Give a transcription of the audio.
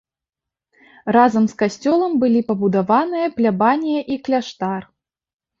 Разам з касцёлам былі пабудаваныя плябанія і кляштар.